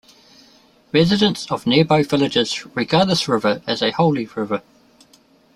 Residents of nearby villages regard this river as a holy river.